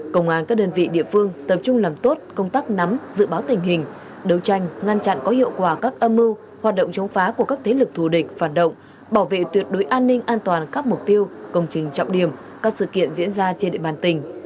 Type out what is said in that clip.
công an các đơn vị địa phương tập trung làm tốt công tác nắm dự báo tình hình đấu tranh ngăn chặn có hiệu quả các âm mưu hoạt động chống phá của các thế lực thù địch phản động bảo vệ tuyệt đối an ninh an toàn các mục tiêu công trình trọng điểm các sự kiện diễn ra trên địa bàn tỉnh